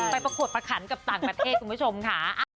ประกวดประขันกับต่างประเทศคุณผู้ชมค่ะ